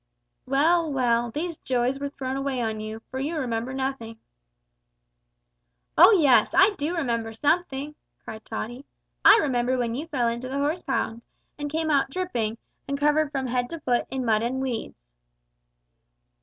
Well, well these joys were thrown away on you, for you remember nothing." "O yes, I do remember something," cried Tottie. "I remember when you fell into the horse pond, and came out dripping, and covered from head to foot with mud and weeds!"